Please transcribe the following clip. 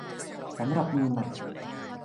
สำหรับมือใหม่